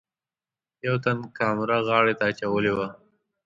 یوه تن کامره غاړې ته اچولې وه.